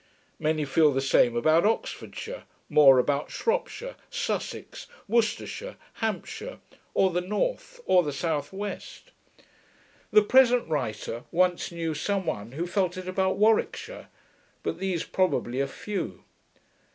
Many feel the same about Oxfordshire; more about Shropshire, Sussex, Worcestershire, Hampshire, or the north, or the southwest. The present writer once knew some one who felt it about Warwickshire, but these, probably, are few.